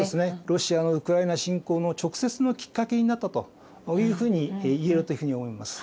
ロシアのウクライナ侵攻の直接のきっかけになったというふうに言えるというふうに思います。